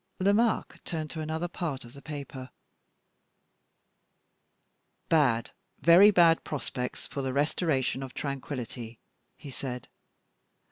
Lomaque turned to another part of the paper. "Bad, very bad prospects for the restoration of tranquillity," he said.